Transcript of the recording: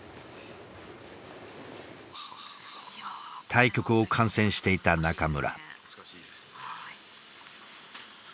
対局を観戦していた中村。